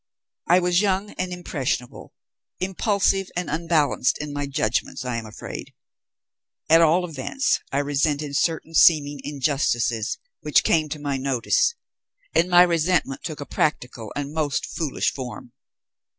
I was young and impressionable, impulsive and unbalanced in my judgments, I am afraid; at all events I resented certain seeming injustices which came to my notice, and my resentment took a practical and most foolish form.